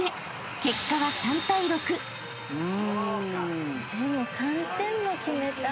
結果は３対６］でも３点も決めたよ。